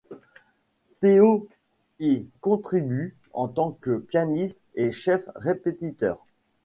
Théo y contribue en tant que pianiste et chef répétiteur.